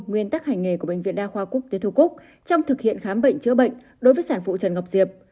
nguyên tắc hành nghề của bệnh viện đa khoa quốc tế thu cúc trong thực hiện khám bệnh chữa bệnh đối với sản phụ trần ngọc diệp